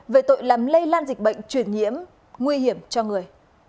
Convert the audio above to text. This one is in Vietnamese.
về tội làm lây lan dịch bệnh truyền nhiễm nguy hiểm cho người